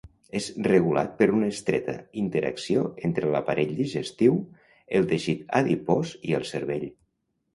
És regulat per una estreta interacció entre l'aparell digestiu, el teixit adipós i el cervell.